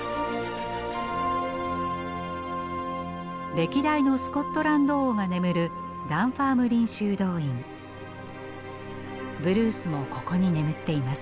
歴代のスコットランド王が眠るブルースもここに眠っています。